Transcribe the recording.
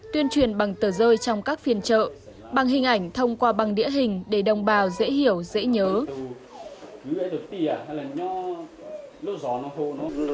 tuyên truyền bằng tờ rơi trong các phiên trợ bằng hình ảnh thông qua băng đĩa hình để đồng bào dễ hiểu dễ nhớ